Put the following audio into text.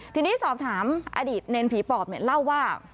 ทีนี้สอบถามอดีตเนรผีปอบเนี่ยเล่าว่า